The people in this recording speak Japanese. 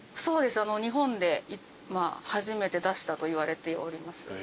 そうです日本で初めて出したといわれております。